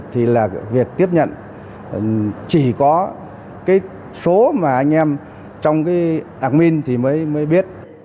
thì là việc tiếp nhận chỉ có cái số mà anh em trong cái admin thì mới